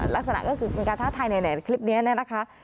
ลักษณะก็คือเป็นการท้าทายในนายะคลิปนี้น่ะนะคะ